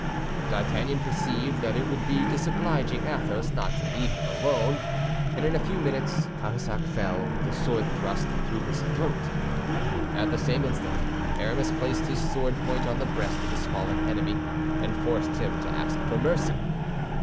D'Artagnan perceived that it would be disobliging Athos not to leave him alone; and in a few minutes Cahusac fell, with a sword thrust through his throat. At the same instant Aramis placed his sword point on the breast of his fallen enemy, and forced him to ask for mercy.